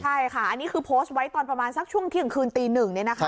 ใช่ค่ะอันนี้คือโพสต์ไว้ตอนประมาณสักช่วงเที่ยงคืนตีหนึ่ง